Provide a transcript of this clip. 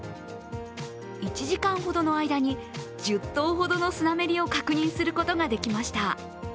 １時間ほどの間に１０頭ほどのスナメリを確認することができました。